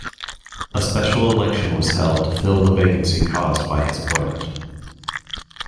A special election was held to fill the vacancy caused by his appointment.